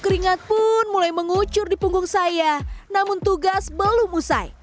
keringat pun mulai mengucur di punggung saya namun tugas belum usai